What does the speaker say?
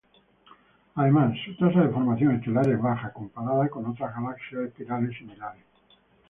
Además, su tasa de formación estelar es baja comparada con otras galaxias espirales similares.